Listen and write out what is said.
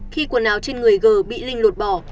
khi quần áo trên người g bị linh lột bỏ